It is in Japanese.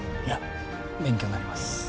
いや勉強になります